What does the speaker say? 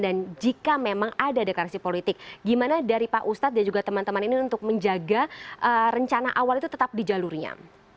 jika memang ada deklarasi politik gimana dari pak ustadz dan juga teman teman ini untuk menjaga rencana awal itu tetap di jalurnya